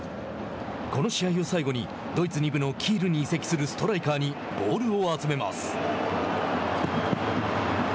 この試合を最後にドイツ２部のキールに移籍するストライカーにボールを集めます。